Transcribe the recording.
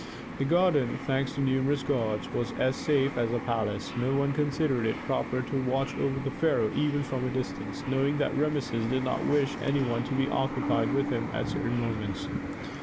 The garden, thanks to numerous guards, was as safe as the palace. No one considered it proper to watch over the pharaoh even from a distance, knowing that Rameses did not wish any one to be occupied with him at certain moments.